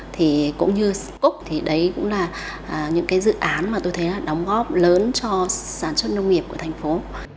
thì cũng như scook thì đấy cũng là những cái dự án mà tôi thấy là đóng góp lớn cho sản xuất nông nghiệp của thành phố